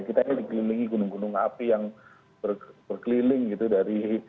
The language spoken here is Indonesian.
kita ini dikelilingi gunung gunung api yang berkeliling gitu dari